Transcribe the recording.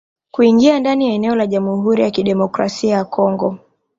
Kuingia ndani ya eneo la Jamhuri ya Kidemokrasia ya Kongo